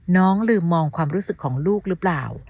น้องลืมมองความรู้สึกของลูกหรือเปล่า